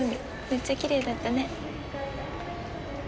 めっちゃきれいだったね。